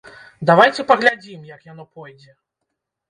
Давайце паглядзім, як яно пойдзе.